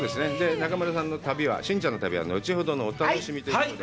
中村さんの旅は、俊ちゃんの旅は後ほどのお楽しみということで。